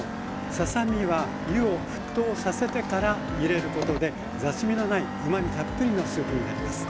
ささ身は湯を沸騰させてから入れることで雑味のないうまみたっぷりのスープになります。